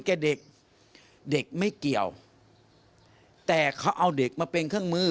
เขาบอกว่าเมื่อวานนี้เจตนาจริงแค่อยากจะไปถ่ายรูปกับหมอปลาแค่นั้นเลย